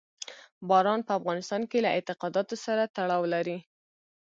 باران په افغانستان کې له اعتقاداتو سره تړاو لري.